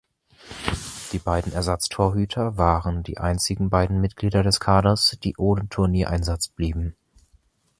Die beiden Ersatztorhüter waren die einzigen beiden Mitglieder des Kaders, die ohne Turniereinsatz blieben.